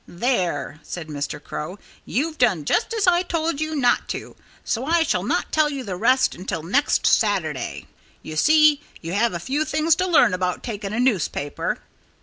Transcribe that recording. "There!" said Mr. Crow. "You've done just as I told you not to. So I shall not tell you the rest until next Saturday.... You see, you have a few things to learn about taking a newspaper."